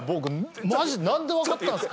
「マジ何で分かったんすか？」